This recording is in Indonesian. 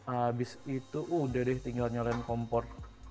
abis itu udah deh tinggal nyalain kompor